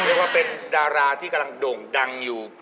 เรียกว่าเป็นดาราที่กำลังโด่งดังอยู่